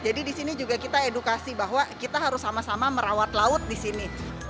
jadi di sini juga kita edukasi bahwa kita harus sama sama merawat laut di sini